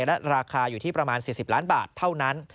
และราคาอยู่ที่ประมาณ๔๐ล้านบาทเท่านั้น